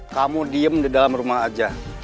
kamu diem di dalam rumah aja